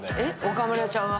岡村ちゃんは？